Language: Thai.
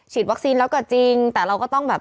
วัคซีนแล้วก็จริงแต่เราก็ต้องแบบ